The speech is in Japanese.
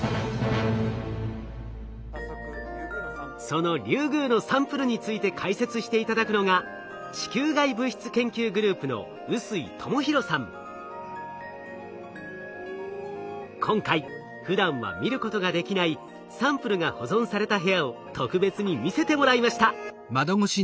そのリュウグウのサンプルについて解説して頂くのが今回ふだんは見ることができないサンプルが保存された部屋を特別に見せてもらいました。